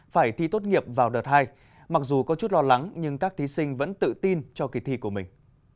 phải thi tốt nghiệp vào đợt hai mặc dù có chút lo lắng nhưng các thí sinh vẫn tự tin cho kỳ thi của mình